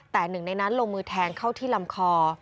แต่หนึ่งในนั้นลงมือแทงเข้าที่ลำคอ